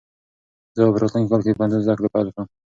زه به راتلونکی کال د پوهنتون زده کړې پیل کړم.